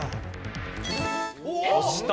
押した！